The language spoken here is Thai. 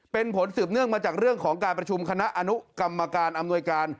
เป็นผลสืบเนื่องมาจากเรื่องของการประชุมคณะอนุกรรมการอำนวยการ